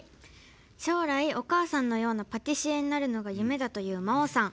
将来、お母さんのようなパティシエになるのが夢だという真桜さん。